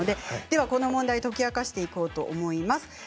この問題を解き明かしていこうと思います。